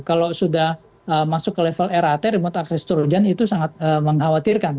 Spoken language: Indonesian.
kalau sudah masuk ke level rat remote access trojan itu sangat mengkhawatirkan